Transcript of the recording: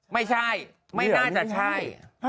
ไม่ใช่ไม่น่าจะใช่